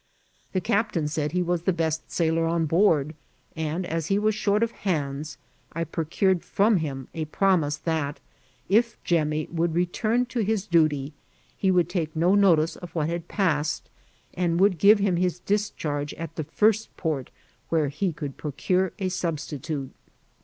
The captain said . he was the best sailor on board ; and as he was short of hands, I procured from him a promise that, if Jemmy would return to his duty, he would take no notice of what had passed, and would give him his discharge at the first port where he could procure a substitute.